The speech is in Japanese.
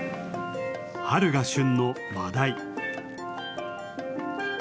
春が旬のマダイ。